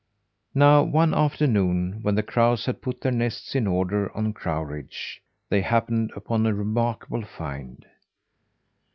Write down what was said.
Now one afternoon, when the crows had put their nests in order on crow ridge, they happened upon a remarkable find.